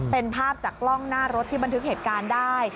เป็นภาพจากกล้องหน้ารถที่บันทึกเหตุการณ์ได้